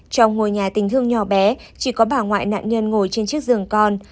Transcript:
trong ngôi nhà tình thương nhỏ bé chỉ có bà ngoại nạn nhân ngồi trên chiếc giường con